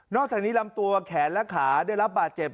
อกจากนี้ลำตัวแขนและขาได้รับบาดเจ็บ